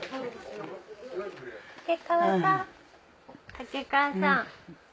竹川さん。